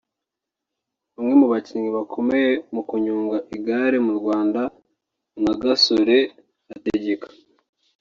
Bamwe mu bakinnyi bakomeye mu kunyonga igare mu Rwanda nka Gasore Hategeka